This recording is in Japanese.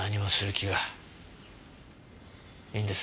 いいんです